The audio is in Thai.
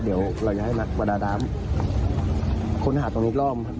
เดี๋ยวเราจะให้นักประดาน้ำค้นหาตรงนี้รอบ